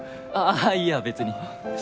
ああいや別に。